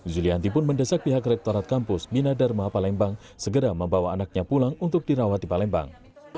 zulianti pun mendesak pihak rektorat kampus bina dharma palembang segera membawa anaknya pulang untuk dirawat di palembang